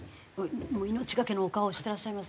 命懸けのお顔してらっしゃいますね。